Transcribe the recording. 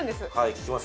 聞きます